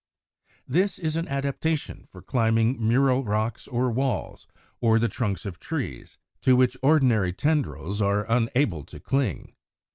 This is an adaptation for climbing mural rocks or walls, or the trunks of trees, to which ordinary tendrils are unable to cling.